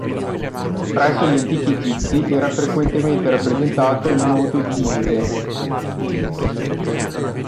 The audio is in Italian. Presso gli antichi Egizi era frequentemente rappresentato il nodo di Iside.